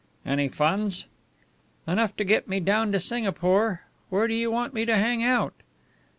"Any funds?" "Enough to get me down to Singapore. Where do you want me to hang out?"